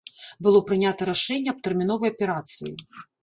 Было прынята рашэнне аб тэрміновай аперацыі.